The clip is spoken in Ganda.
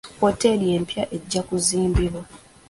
Wooteeri empya ejja kuzimbibwa.